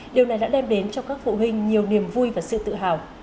điều này đã đem đến cho các phụ huynh nhiều niềm vui và sự tự hào